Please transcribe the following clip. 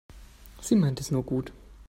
Sie meint es nur gut.